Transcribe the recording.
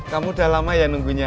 kamu udah lama ya nunggunya